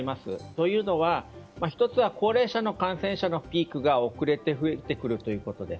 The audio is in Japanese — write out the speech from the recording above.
というのは、１つは高齢者の感染者のピークが遅れて増えてくるということで。